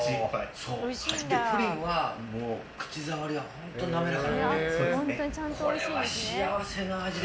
プリンは口触りは本当に滑らかで。